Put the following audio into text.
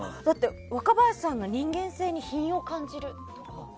若林さんの人間性に品を感じるとか。